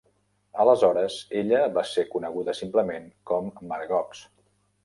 Aleshores, ella va ser coneguda simplement com Margox.